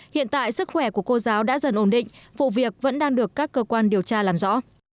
hiện tại sức khỏe của cô giáo đã dần ổn định vụ việc vẫn đang được các cơ quan điều tra làm rõ